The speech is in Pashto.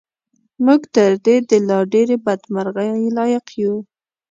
موږ تر دې د لا ډېرې بدمرغۍ لایق یو.